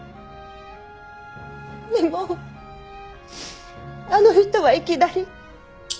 でもあの人はいきなり。